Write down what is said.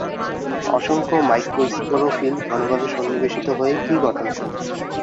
অসংখ্য মাইক্রোস্পোরোফিল ঘনভাবে সন্নিবেশিত হয়ে কী গঠন করে?